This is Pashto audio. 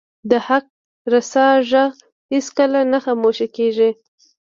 د حق رسا ږغ هیڅکله نه خاموش کیږي